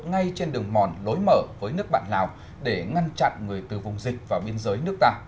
ngay trên đường mòn lối mở với nước bạn lào để ngăn chặn người từ vùng dịch vào biên giới nước ta